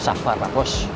sabar pak pos